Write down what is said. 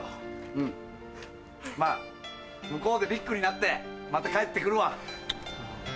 ⁉うんまぁ向こうでビッグになってまた帰ってくるわ。